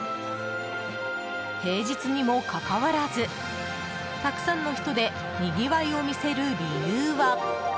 平日にもかかわらずたくさんの人でにぎわいを見せる理由は。